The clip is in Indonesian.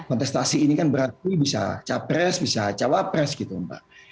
kontestasi ini kan berarti bisa capres bisa cawapres gitu mbak